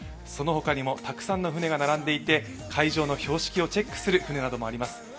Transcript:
そのほかにもたくさんの船が並んでいて海上の標識をチェックする船などもあります。